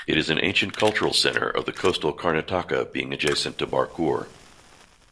It is an ancient cultural centre of the Coastal Karnataka being adjacent to Barkur.